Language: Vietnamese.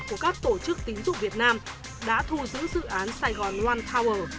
của các tổ chức tính dụng việt nam đã thu giữ dự án sài gòn one tower